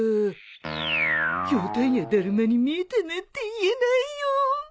ヒョウタンやだるまに見えたなんて言えないよ